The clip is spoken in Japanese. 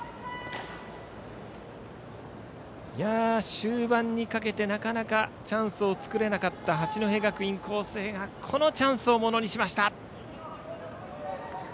終盤にかけてなかなかチャンスを作れなかった八戸学院光星がこのチャンスをものにしました。